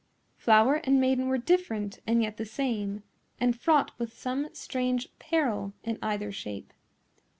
Flower and maiden were different, and yet the same, and fraught with some strange peril in either shape.